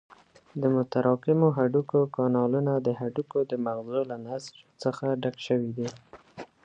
د متراکمو هډوکو کانالونه د هډوکو د مغزو له نسج څخه ډک شوي دي.